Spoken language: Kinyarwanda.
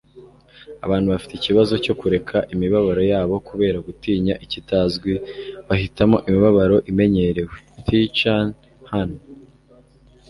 abantu bafite ikibazo cyo kureka imibabaro yabo kubera gutinya ikitazwi, bahitamo imibabaro imenyerewe - thich nhat hanh